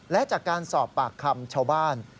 และจากการสอบปากคำชาวบ้าน